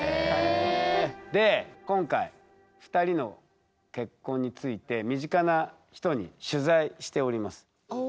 で今回２人の結婚について身近な人に取材しております。